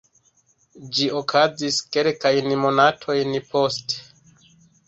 Ĝi okazis kelkajn monatojn poste.